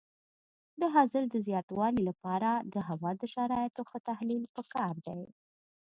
د حاصل د زیاتوالي لپاره د هوا د شرایطو ښه تحلیل پکار دی.